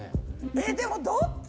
えっでもどっち？